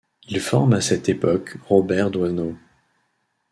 Il forme à cette époque Robert Doisneau.